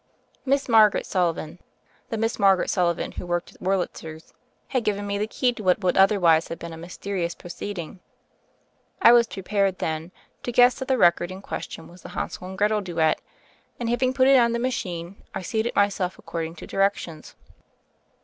Miss Margaret Sullivan — the Miss Margaret Sullivan who worked at Wurlitzer's — had given me the key to what would other wise have been a mysterious proceeding. I was prepared, then, to guess that the record in question was the Hansel and Gretel duet, and having put it on the machine I seated myself according to directions.